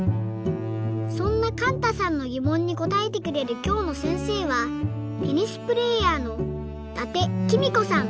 そんなかんたさんのぎもんにこたえてくれるきょうのせんせいはテニスプレーヤーの伊達公子さん。